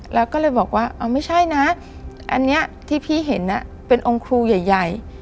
แล้วก็เลยบอกว่าเอาไม่ใช่นะอันนี้ที่พี่เห็นเป็นองค์ครูใหญ่